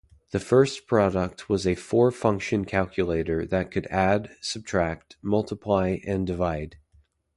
The first product was a "four-function" calculator that could add, subtract, multiply, and divide.